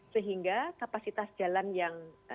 sehingga kapasitas jalan yang